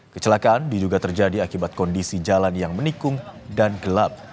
kecelakaan diduga terjadi akibat kondisi jalan yang menikung dan gelap